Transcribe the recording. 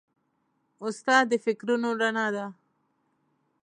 استاد د فکرونو رڼا ده.